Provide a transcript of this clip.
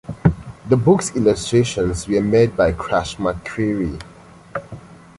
The book's illustrations were made by Crash McCreery.